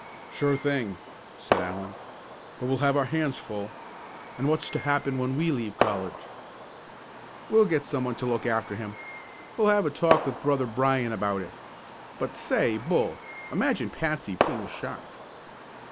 "Sure thing," said Allen. "But we'll have our hands full. And what's to happen when we leave college?" "We'll get some one to look after him We'll have a talk with Brother Brian about it. But, say, Bull, imagine Patsy putting the shot!"